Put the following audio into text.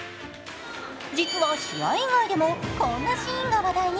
実は試合以外でも、こんなシーンが話題に。